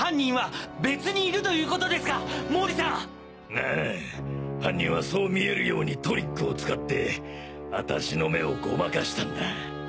ああ犯人はそう見えるようにトリックを使って私の目をごまかしたんだ。